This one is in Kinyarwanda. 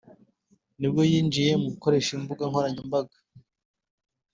nibwo yinjiye mu gukoresha imbuga nkoranyambaga